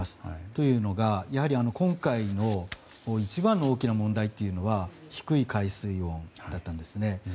というのが、今回の一番の大きな問題というのが低い海水温だったんですね。